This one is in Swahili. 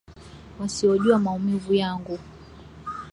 Wasiojua maumivu yangu